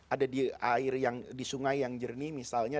ada di air yang di sungai yang jernih misalnya